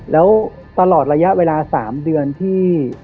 แล้วตลอดระยะเวลา๓เดือนที่